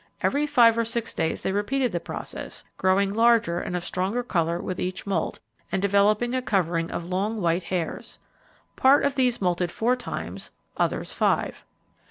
Every five or six days they repeated the process, growing larger and of stronger colour with each moult, and developing a covering of long white hairs. Part of these moulted four times, others five.